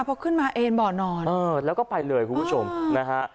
พอขึ้นมาเอ็นบ่อนอนเออแล้วก็ไปเลยคุณผู้ชมนะฮะ